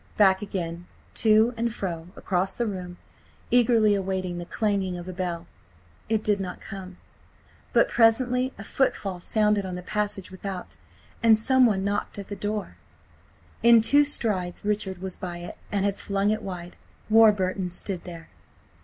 Back again, to and fro across the room, eagerly awaiting the clanging of a bell. It did not come, but presently a footfall sounded on the passage without, and someone knocked at the door. In two strides Richard was by it, and had flung it wide. Warburton stood there.